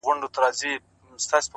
ښه دی چي ونه درېد ښه دی چي روان ښه دی،